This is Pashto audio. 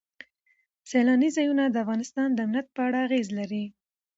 سیلاني ځایونه د افغانستان د امنیت په اړه اغېز لري.